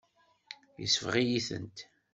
Yesbeɣ-iyi-tent.